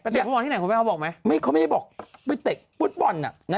เตะฟุตบอลที่ไหนคุณแม่เขาบอกไหมเขาไม่ได้บอกไปเตะฟุตบอลน่ะนะ